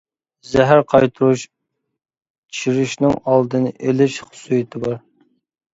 زەھەر قايتۇرۇش، چىرىشنىڭ ئالدىنى ئېلىش خۇسۇسىيىتى بار.